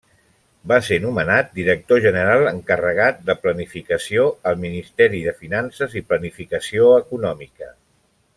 Va ser nomenat director general encarregat de planificació al Ministeri de Finances i Planificació Econòmica.